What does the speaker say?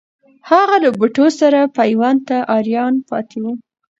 هغه له بوټو سره پیوند ته آریان پاتې وو.